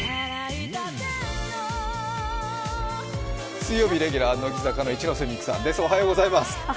水曜日レギュラーは乃木坂の一ノ瀬美空さんです。